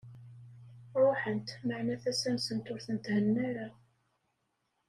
Ruḥent, meɛna, tasa-nsent ur tent-henna ara.